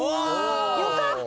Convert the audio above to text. よかった。